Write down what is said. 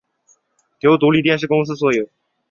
由独立电视公司所有。